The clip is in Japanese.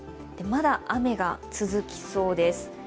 まだ雨が続きそうです。